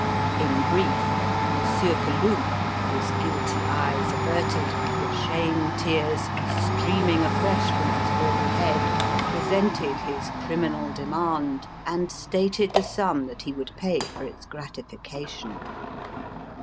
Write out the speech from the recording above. In brief, Monsieur Peloux his guilty eyes averted, the shame tears streaming afresh from his bald head presented his criminal demand and stated the sum that he would pay for its gratification.